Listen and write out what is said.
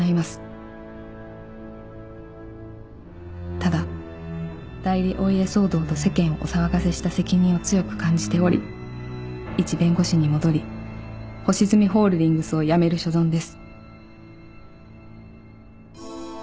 「ただ代理お家騒動と世間をお騒がせした責任を強く感じておりいち弁護士に戻り星積ホールディングスを辞める所存です」